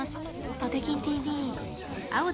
タテキンＴＶ。